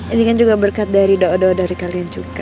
ini kan juga berkat dari doa doa dari kalian juga